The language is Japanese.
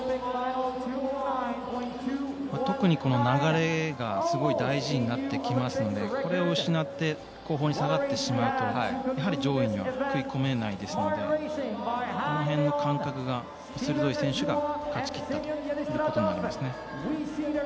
特に流れがすごい大事になってきますのでこれを失って後方に下がってしまうと上位には食い込めないですのでこの辺の感覚が鋭い選手が勝ちきったということになります。